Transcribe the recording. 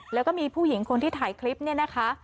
แล้วก็มีผู้หญิงคนที่ถ่ายคลิปเนี่ยนะคะ